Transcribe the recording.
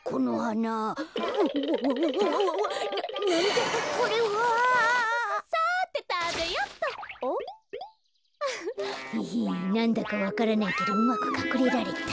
なんだかわからないけどうまくかくれられた。